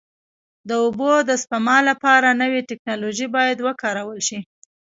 د اوبو د سپما لپاره نوې ټکنالوژي باید وکارول شي.